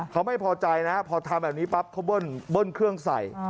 เขาไม่พอใจนะพอทำแบบนี้ปั๊บเขาเบิ้ลเครื่องใส่